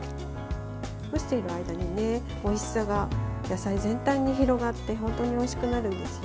蒸している間においしさが野菜全体に広がって本当においしくなるんですよ。